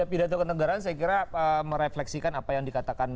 pidato kenegaraan saya kira merefleksikan apa yang dikatakan